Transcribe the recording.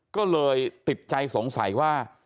ก็เลยติดใจสงสัยว่า